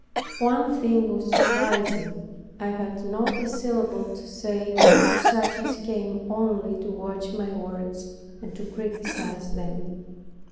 One thing was surprising; I had not a syllable to say to such as came only to watch my words, and to criticize them.